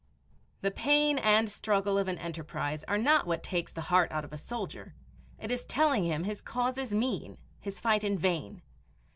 The pain and struggle of an enterprise are not what takes the heart out of a soldier; it is telling him his cause is mean, his fight in vain.